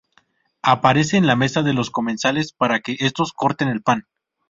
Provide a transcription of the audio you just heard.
Aparece en la mesa de los comensales para que estos corten el pan.